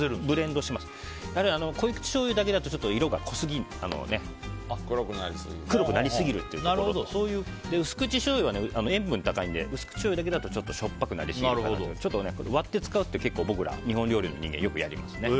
濃口しょうゆだけだと色が黒くなりすぎるので薄口しょうゆは塩分が高いので薄口しょうゆだけだとちょっとしょっぱくなりすぎるので割って使うって僕ら日本料理の人間はよくやりますね。